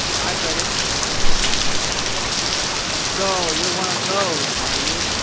Hyde read it and passed it back. "So you're one of those, are you!"